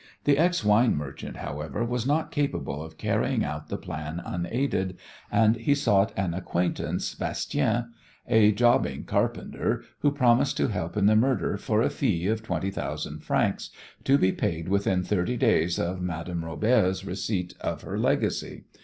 The ex wine merchant, however, was not capable of carrying out the plan unaided, and he sought an acquaintance, Bastien, a jobbing carpenter, who promised to help in the murder for a fee of twenty thousand francs, to be paid within thirty days of Madame Robert's receipt of her legacy.